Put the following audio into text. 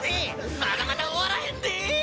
まだまだ終わらへんでえ！！